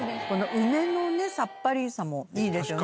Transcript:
梅のさっぱりさもいいですよね。